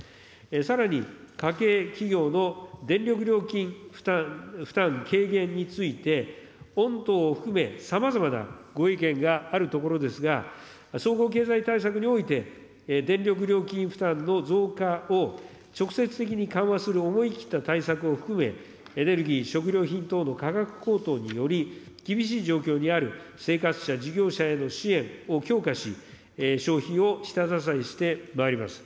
さらに家計、企業の電力料金負担軽減について、御党を含め、さまざまなご意見があるところですが、総合経済対策において、電力料金負担の増加を直接的に緩和する思い切った対策を含め、エネルギー、食料品等の価格高騰により、厳しい状況にある生活者、事業者への支援を強化し、消費を下支えしてまいります。